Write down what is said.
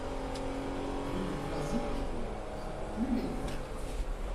Rue du Croizic à Pluméliau